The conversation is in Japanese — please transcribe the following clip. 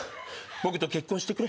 「僕と結婚してくれ」